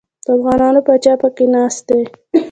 د افغانانو پاچا پکښې ناست دی.